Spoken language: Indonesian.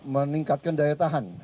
meningkatkan daya tahan